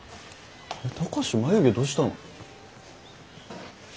貴志眉毛どしたの？